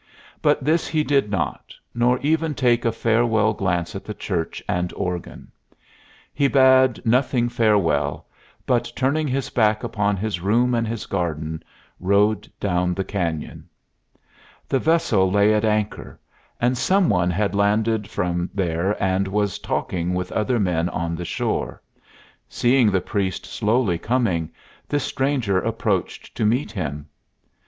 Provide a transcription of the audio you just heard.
But this he did not, nor even take a farewell glance at the church and organ. He bade nothing farewell, but, turning his back upon his room and his garden, rode down the canyon. The vessel lay at anchor, and some one had landed from ha and was talking with other men on the shore. Seeing the priest slowly coming, this stranger approached to meet him.